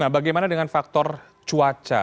nah bagaimana dengan faktor cuaca